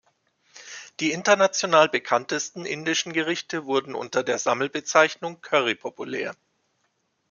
Die international bekanntesten indischen Gerichte wurden unter der Sammelbezeichnung Curry populär.